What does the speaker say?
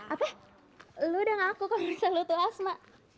apa lu udah ngaku kalau bisa lu tuh asma